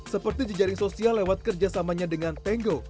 seperti jejaring sosial lewat kerjasamanya dengan tengo